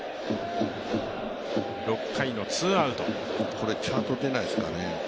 これチャート出ないですかね。